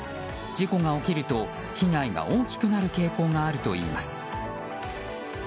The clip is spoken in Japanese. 事故が起きると被害が大きくなる傾向があるといいます。